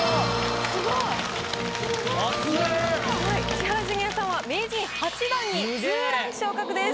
千原ジュニアさんは名人８段に２ランク昇格です。